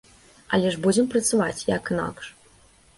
Але ж будзем працаваць, як інакш?